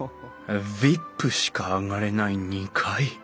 ＶＩＰしか上がれない２階